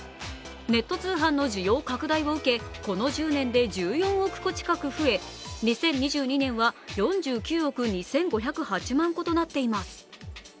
ネット通販の需要拡大を受け、この１０年で１４億個近く増え、２０２２年は４９億２５０８万個となっています。